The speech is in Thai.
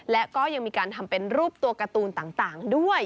และก็ยังมีการทำเป็นรูปตัวการ์ตูนต่างด้วย